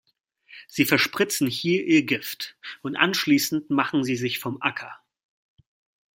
Sie verspritzen hier ihr Gift, und anschließend machen sie sich vom Acker.